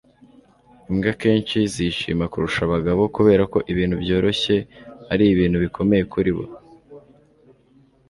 imbwa akenshi zishima kurusha abagabo kubera ko ibintu byoroshye ari ibintu bikomeye kuri bo